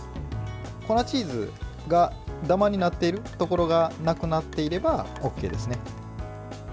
粉チーズがダマになっているところがなくなっていればＯＫですね。